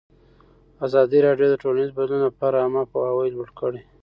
ازادي راډیو د ټولنیز بدلون لپاره عامه پوهاوي لوړ کړی.